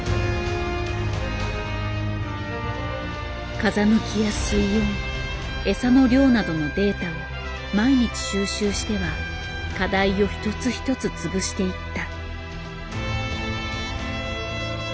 風向きや水温餌の量などのデータを毎日収集しては課題を一つ一つ潰していった。